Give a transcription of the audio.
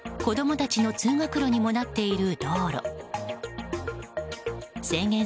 子供たちの通学路にもなっている道路。